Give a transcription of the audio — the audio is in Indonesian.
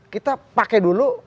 kita pakai dulu